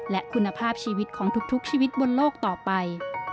และคุณภาพชีวิตของทุกชีวิตบนโลกต่อไป